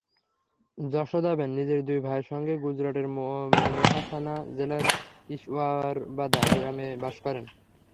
যশোদাবেন নিজের দুই ভাইয়ের সঙ্গে গুজরাটের মেহাসানা জেলার ইশওয়ারবাদা গ্রামে বাস করেন।